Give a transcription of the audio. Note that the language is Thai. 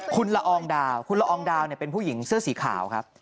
คุณละอองดาวคุณละอองดาวเป็นผู้หญิงเสื้อสีขาวครับ